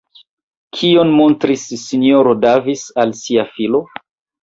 Kion montris S-ro Davis al sia filo?